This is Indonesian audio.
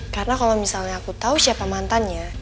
karena kalo misalnya aku tau siapa mantannya